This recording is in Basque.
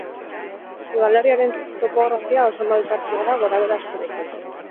Udalerriaren topografia oso malkartsua da, gorabehera askorekin.